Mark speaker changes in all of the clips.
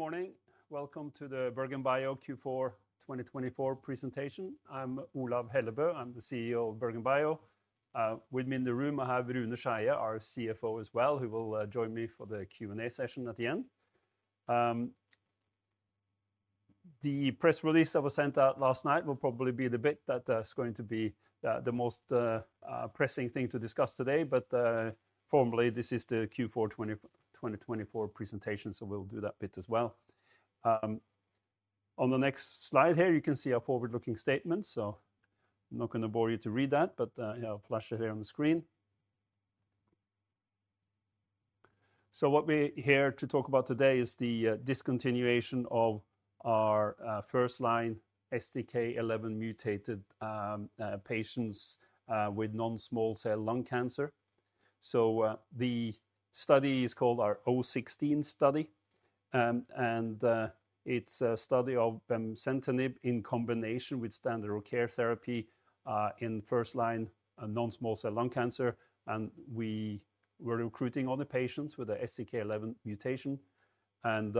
Speaker 1: Good morning. Welcome to the BerGenBio Q4 2024 presentation. I'm Olav Hellebø. I'm the CEO of BerGenBio. With me in the room, I have Rune Skeie, our CFO as well, who will join me for the Q&A session at the end. The press release that was sent out last night will probably be the bit that's going to be the most pressing thing to discuss today, but formally, this is the Q4 2024 presentation, so we'll do that bit as well. On the next slide here, you can see our forward-looking statements, I am not going to bore you to read that, but I'll flash it here on the screen. What we're here to talk about today is the discontinuation of our first-line STK11 mutated patients with non-small cell lung cancer. The study is called our 016 study, and it's a study of bemcentinib in combination with standard of care therapy in first-line non-small cell lung cancer. We were recruiting other patients with an STK11 mutation, and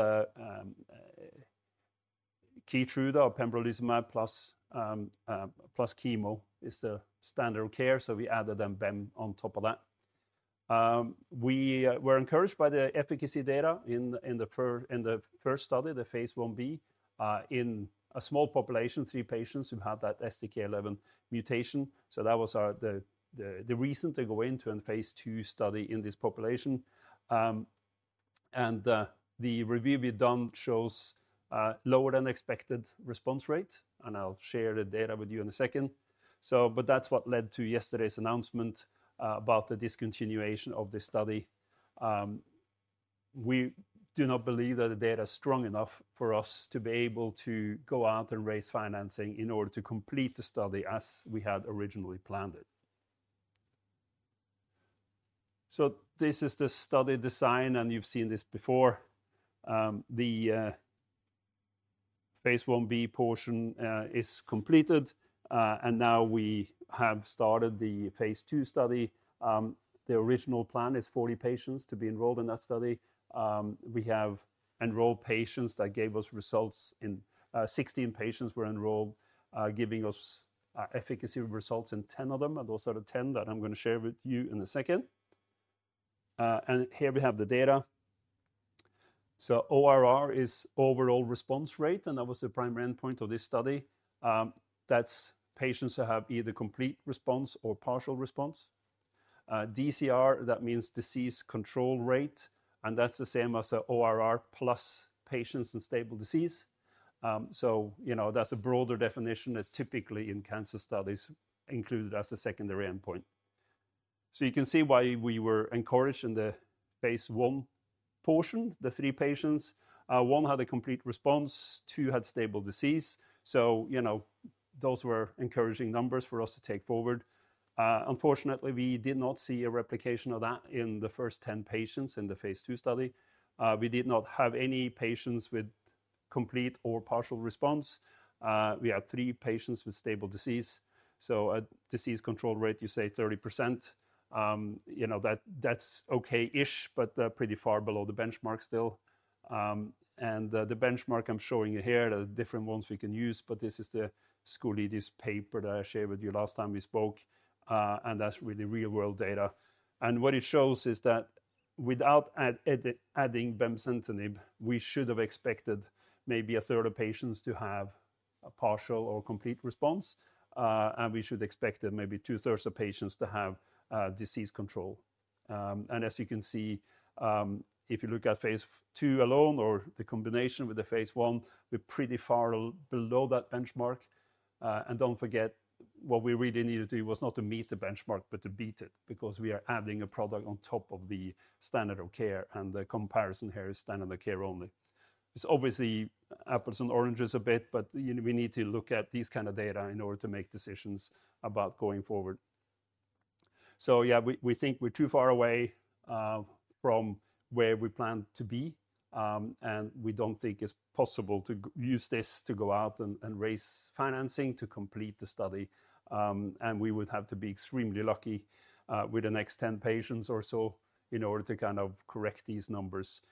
Speaker 1: Keytruda or pembrolizumab plus chemo is the standard of care, so we added BEM on top of that. We were encouraged by the efficacy data in the first study, the phase IB, in a small population, three patients who had that STK11 mutation. That was the reason to go into a phase II study in this population. The review we've done shows lower than expected response rates, and I'll share the data with you in a second. That's what led to yesterday's announcement about the discontinuation of this study. We do not believe that the data is strong enough for us to be able to go out and raise financing in order to complete the study as we had originally planned it. This is the study design, and you've seen this before. The phase IB portion is completed, and now we have started the phase II study. The original plan is 40 patients to be enrolled in that study. We have enrolled patients that gave us results in 16 patients were enrolled, giving us efficacy results in 10 of them, and those are the 10 that I'm going to share with you in a second. Here we have the data. ORR is overall response rate, and that was the primary endpoint of this study. That's patients who have either complete response or partial response. DCR, that means disease control rate, and that's the same as ORR+ patients in stable disease. That's a broader definition that's typically in cancer studies included as a secondary endpoint. You can see why we were encouraged in the phase I portion, the three patients. One had a complete response, two had stable disease. Those were encouraging numbers for us to take forward. Unfortunately, we did not see a replication of that in the first 10 patients in the phase II study. We did not have any patients with complete or partial response. We had three patients with stable disease. A disease control rate, you say 30%, that's okay-ish, but pretty far below the benchmark still. The benchmark I'm showing you here, there are different ones we can use, but this is the Skoulidis paper that I shared with you last time we spoke, and that's really real-world data. What it shows is that without adding bemcentinib, we should have expected maybe a third of patients to have a partial or complete response, and we should expect maybe two-thirds of patients to have disease control. As you can see, if you look at phase II alone or the combination with the phase 1, we're pretty far below that benchmark. Don't forget, what we really need to do was not to meet the benchmark, but to beat it because we are adding a product on top of the standard of care, and the comparison here is standard of care only. It's obviously apples and oranges a bit, but we need to look at these kinds of data in order to make decisions about going forward. Yeah, we think we're too far away from where we plan to be, and we don't think it's possible to use this to go out and raise financing to complete the study. We would have to be extremely lucky with the next 10 patients or so in order to kind of correct these numbers.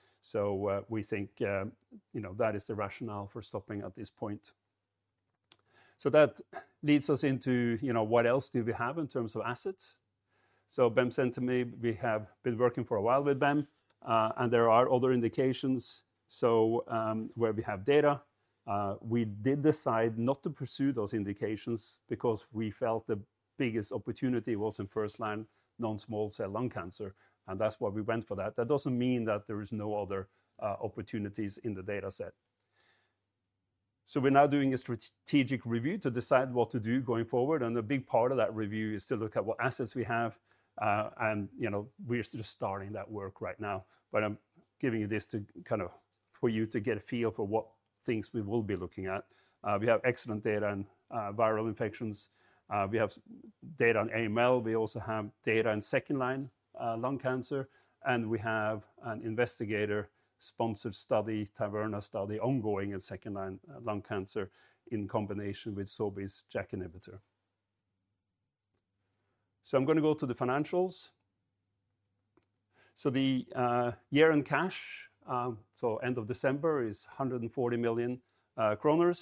Speaker 1: We think that is the rationale for stopping at this point. That leads us into what else do we have in terms of assets. Bemcentinib, we have been working for a while with BEM, and there are other indications where we have data. We did decide not to pursue those indications because we felt the biggest opportunity was in first-line non-small cell lung cancer, and that's why we went for that. That doesn't mean that there are no other opportunities in the dataset. We are now doing a strategic review to decide what to do going forward, and a big part of that review is to look at what assets we have, and we're just starting that work right now. I'm giving you this for you to get a feel for what things we will be looking at. We have excellent data on viral infections. We have data on AML. We also have data on second-line lung cancer, and we have an investigator-sponsored study, Taverna study, ongoing in second-line lung cancer in combination with Sobi's JAK inhibitor. I'm going to go to the financials. The year in cash, so end of December, is 140 million kroner.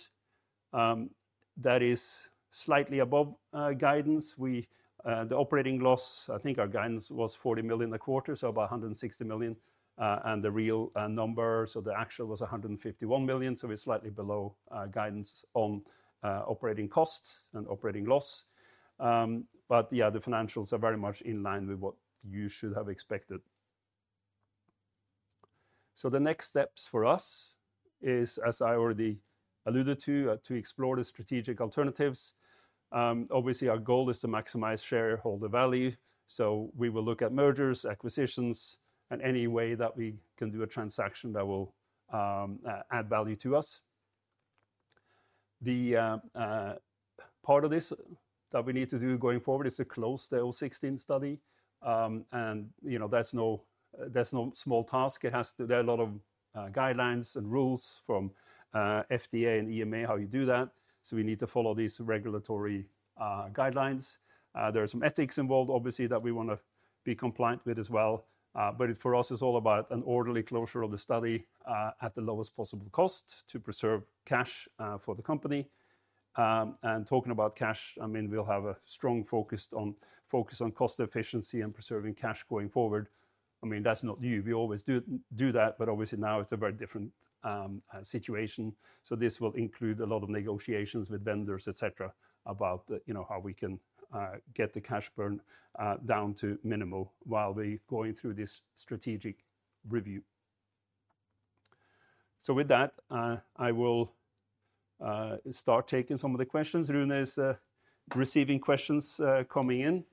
Speaker 1: That is slightly above guidance. The operating loss, I think our guidance was 40 million a quarter, so about 160 million, and the real number, so the actual was 151 million, so we're slightly below guidance on operating costs and operating loss. Yeah, the financials are very much in line with what you should have expected. The next steps for us is, as I already alluded to, to explore the strategic alternatives. Obviously, our goal is to maximize shareholder value, so we will look at mergers, acquisitions, and any way that we can do a transaction that will add value to us. The part of this that we need to do going forward is to close the 016 study, and that's no small task. There are a lot of guidelines and rules from FDA and EMA how you do that, so we need to follow these regulatory guidelines. There are some ethics involved, obviously, that we want to be compliant with as well, but for us, it's all about an orderly closure of the study at the lowest possible cost to preserve cash for the company. Talking about cash, I mean, we'll have a strong focus on cost efficiency and preserving cash going forward. I mean, that's not new. We always do that, obviously now it's a very different situation. This will include a lot of negotiations with vendors, etc., about how we can get the cash burn down to minimal while we're going through this strategic review. With that, I will start taking some of the questions. Rune is receiving questions coming in.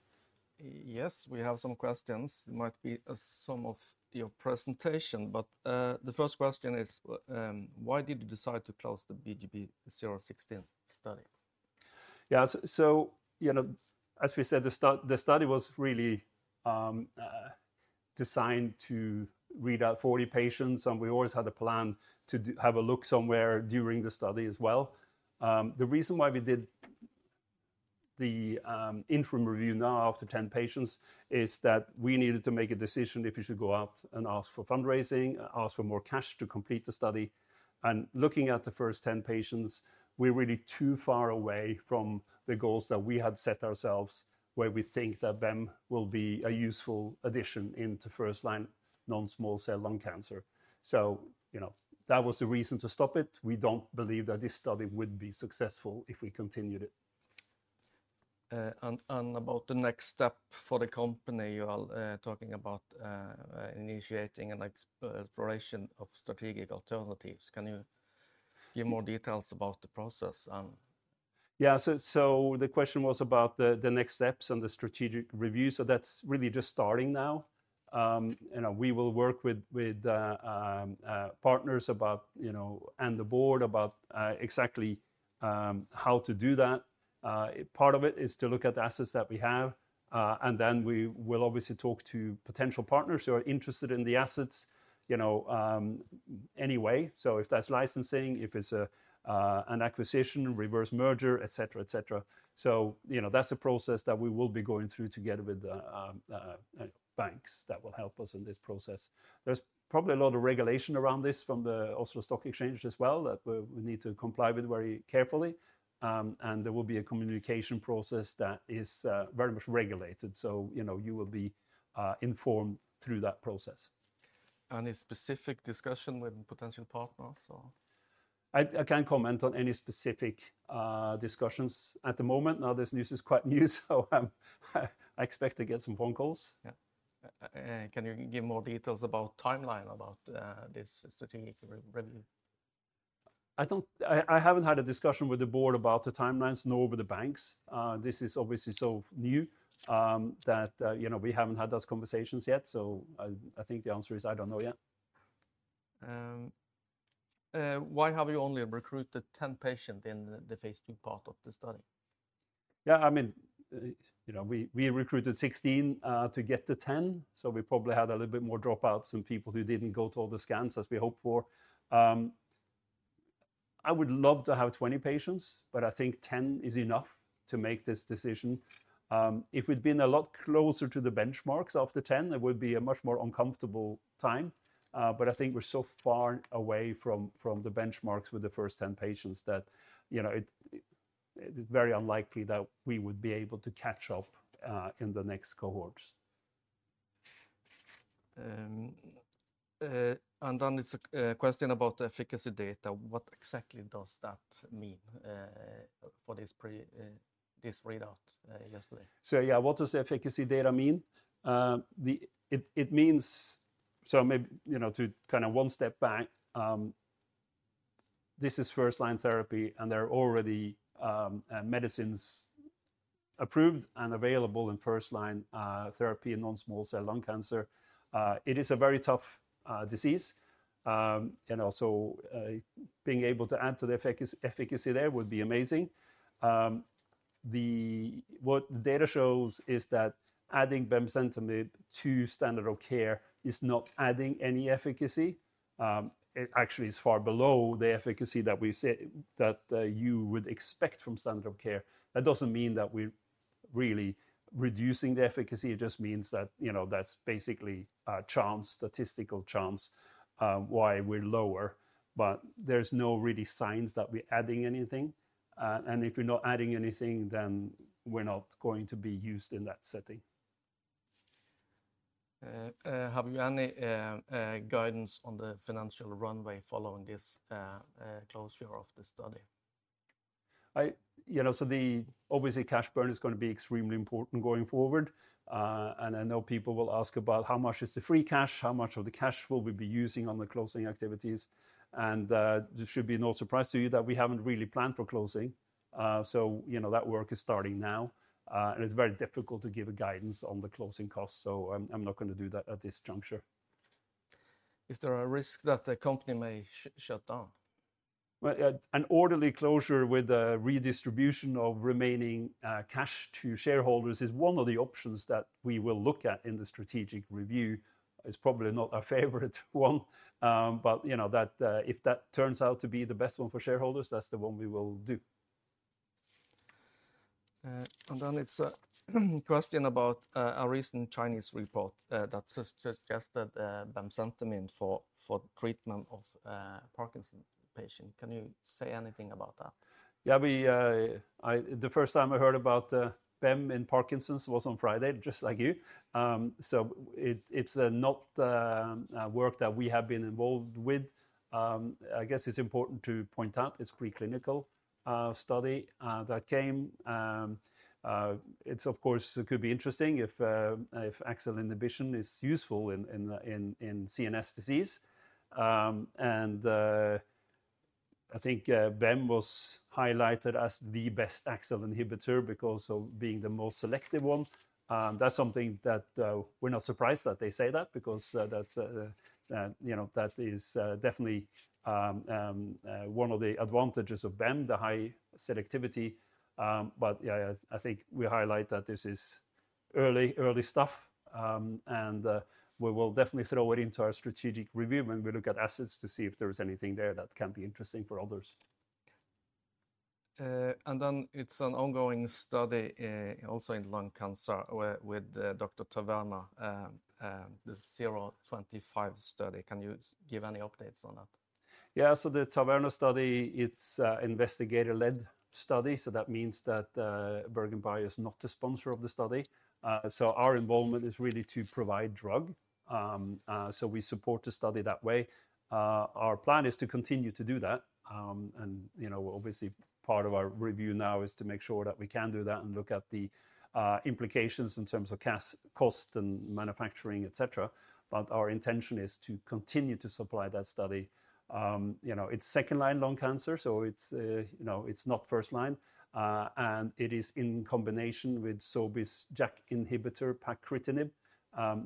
Speaker 2: Yes, we have some questions. It might be some of your presentation, but the first question is, why did you decide to close the BGB016 study?
Speaker 1: Yeah, as we said, the study was really designed to read out 40 patients, and we always had a plan to have a look somewhere during the study as well. The reason why we did the interim review now after 10 patients is that we needed to make a decision if we should go out and ask for fundraising, ask for more cash to complete the study. Looking at the first 10 patients, we're really too far away from the goals that we had set ourselves, where we think that BEM will be a useful addition into first-line non-small cell lung cancer. That was the reason to stop it. We don't believe that this study would be successful if we continued it.
Speaker 2: About the next step for the company, you are talking about initiating an exploration of strategic alternatives. Can you give more details about the process?
Speaker 1: Yeah, so the question was about the next steps and the strategic review. That is really just starting now. We will work with partners and the board about exactly how to do that. Part of it is to look at the assets that we have, and then we will obviously talk to potential partners who are interested in the assets anyway. If that is licensing, if it is an acquisition, reverse merger, etc., etc. That is a process that we will be going through together with the banks that will help us in this process. There is probably a lot of regulation around this from the Oslo Stock Exchange as well that we need to comply with very carefully, and there will be a communication process that is very much regulated. You will be informed through that process.
Speaker 2: Any specific discussion with potential partners?
Speaker 1: I can't comment on any specific discussions at the moment. Now, this news is quite new, so I expect to get some phone calls.
Speaker 2: Yeah. Can you give more details about the timeline about this strategic review?
Speaker 1: I haven't had a discussion with the board about the timelines, nor with the banks. This is obviously so new that we haven't had those conversations yet, so I think the answer is I don't know yet.
Speaker 2: Why have you only recruited 10 patients in the phase II part of the study?
Speaker 1: Yeah, I mean, we recruited 16 to get to 10, so we probably had a little bit more dropouts and people who didn't go to all the scans as we hoped for. I would love to have 20 patients, but I think 10 is enough to make this decision. If we'd been a lot closer to the benchmarks after 10, it would be a much more uncomfortable time, but I think we're so far away from the benchmarks with the first 10 patients that it's very unlikely that we would be able to catch up in the next cohorts.
Speaker 2: It's a question about the efficacy data. What exactly does that mean for this readout yesterday?
Speaker 1: Yeah, what does the efficacy data mean? To kind of one step back, this is first-line therapy, and there are already medicines approved and available in first-line therapy in non-small cell lung cancer. It is a very tough disease, and also being able to add to the efficacy there would be amazing. What the data shows is that adding bemcentinib to standard of care is not adding any efficacy. It actually is far below the efficacy that you would expect from standard of care. That does not mean that we are really reducing the efficacy. It just means that that is basically a chance, statistical chance, why we are lower, but there are no really signs that we are adding anything. If we are not adding anything, then we are not going to be used in that setting.
Speaker 2: Have you any guidance on the financial runway following this closure of the study?
Speaker 1: Obviously cash burn is going to be extremely important going forward, and I know people will ask about how much is the free cash, how much of the cash will we be using on the closing activities, and it should be no surprise to you that we haven't really planned for closing. That work is starting now, and it's very difficult to give guidance on the closing costs, so I'm not going to do that at this juncture.
Speaker 2: Is there a risk that the company may shut down?
Speaker 1: An orderly closure with a redistribution of remaining cash to shareholders is one of the options that we will look at in the strategic review. It's probably not our favorite one, but if that turns out to be the best one for shareholders, that's the one we will do. It is a question about a recent Chinese report that suggested bemcentinib for treatment of Parkinson's patients. Can you say anything about that? Yeah, the first time I heard about BEM in Parkinson's was on Friday, just like you. It's not work that we have been involved with. I guess it's important to point out it's a preclinical study that came. It's, of course, could be interesting if AXL inhibition is useful in CNS disease. I think BEM was highlighted as the best AXL inhibitor because of being the most selective one. That's something that we're not surprised that they say that because that is definitely one of the advantages of BEM, the high selectivity. I think we highlight that this is early stuff, and we will definitely throw it into our strategic review when we look at assets to see if there is anything there that can be interesting for others.
Speaker 2: It is an ongoing study also in lung cancer with Dr. Taverna, the 025 study. Can you give any updates on that?
Speaker 1: Yeah, so the Taverna study, it's an investigator-led study, so that means that BerGenBio is not the sponsor of the study. So our involvement is really to provide drug, so we support the study that way. Our plan is to continue to do that, and obviously part of our review now is to make sure that we can do that and look at the implications in terms of cost and manufacturing, etc. But our intention is to continue to supply that study. It's second-line lung cancer, so it's not first-line, and it is in combination with Sobi's JAK inhibitor, pacritinib,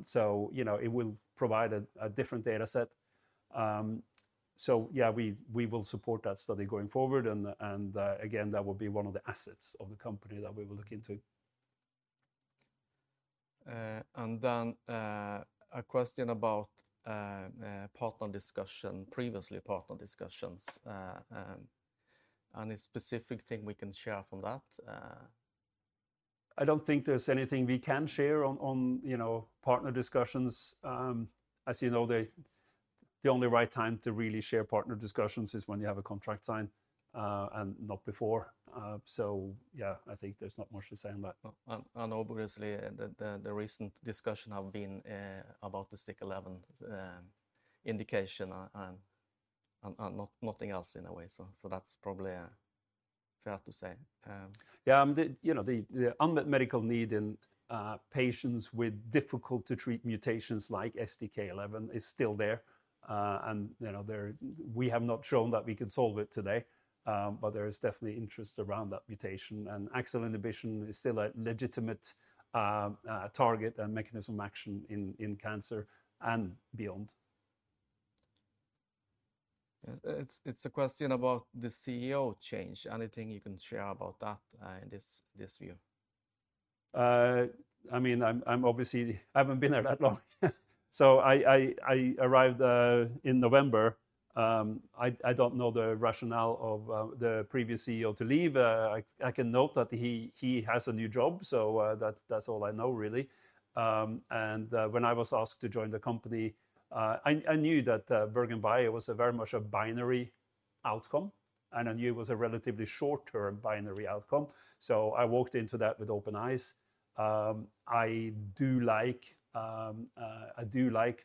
Speaker 1: so it will provide a different dataset. So yeah, we will support that study going forward, and again, that will be one of the assets of the company that we will look into.
Speaker 2: A question about partner discussion, previously partner discussions. Any specific thing we can share from that?
Speaker 1: I don't think there's anything we can share on partner discussions. As you know, the only right time to really share partner discussions is when you have a contract signed and not before. Yeah, I think there's not much to say on that.
Speaker 2: Obviously, the recent discussion has been about the STK11 indication and nothing else in a way, so that's probably fair to say.
Speaker 1: Yeah, the unmet medical need in patients with difficult-to-treat mutations like STK11 is still there, and we have not shown that we could solve it today, but there is definitely interest around that mutation, and AXL inhibition is still a legitimate target and mechanism of action in cancer and beyond.
Speaker 2: It's a question about the CEO change. Anything you can share about that in this view?
Speaker 1: I mean, obviously, I haven't been there that long, so I arrived in November. I don't know the rationale of the previous CEO to leave. I can note that he has a new job, so that's all I know really. When I was asked to join the company, I knew that BerGenBio was very much a binary outcome, and I knew it was a relatively short-term binary outcome, so I walked into that with open eyes. I do like AXL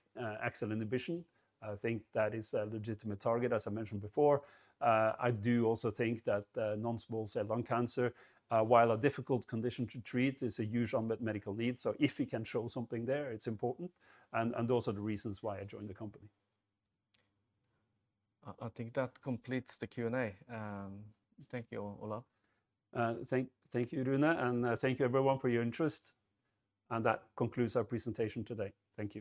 Speaker 1: inhibition. I think that is a legitimate target, as I mentioned before. I do also think that non-small cell lung cancer, while a difficult condition to treat, is a huge unmet medical need, so if we can show something there, it's important, and those are the reasons why I joined the company.
Speaker 2: I think that completes the Q&A. Thank you, Olav.
Speaker 1: Thank you, Rune, and thank you, everyone, for your interest, and that concludes our presentation today. Thank you.